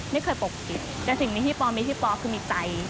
ไม่เคยปกปิดแต่สิ่งนี้ที่ปอมีพี่ปอคือมีใจ